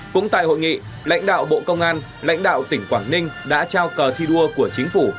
cũng tại hội nghị lãnh đạo bộ công an lãnh đạo tỉnh quảng ninh đã trao cờ thi đua của chính phủ